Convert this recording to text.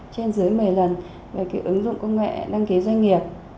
trên dưới một mươi lần về ứng dụng công nghệ đăng ký doanh nghiệp